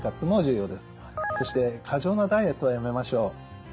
そして過剰なダイエットはやめましょう。